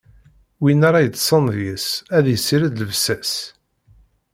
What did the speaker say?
Win ara yeṭṭṣen deg-s, ad issired llebsa-s.